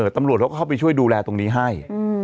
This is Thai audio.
ตำรวจเขาก็เข้าไปช่วยดูแลตรงนี้ให้